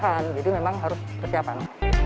jadi memang harus persiapan